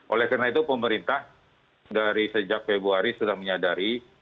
oleh karena itu pemerintah dari sejak februari sudah menyadari